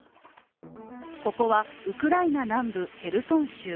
ここはウクライナ南部ヘルソン州。